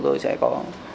rồi sẽ có